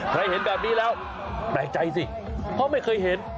เห็นแบบนี้แล้วแปลกใจสิเพราะไม่เคยเห็น